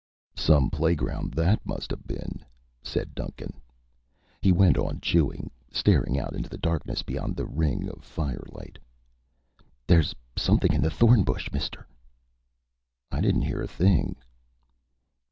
"Some playground that must have been," said Duncan. He went on chewing, staring out into the darkness beyond the ring of firelight. "There's something in the thorn bush, mister." "I didn't hear a thing."